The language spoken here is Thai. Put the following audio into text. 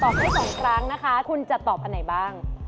ตอบมาสองครั้งคุณจะตอบอันไหนบ้าง